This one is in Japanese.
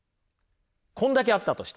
こんだけあったとしたら。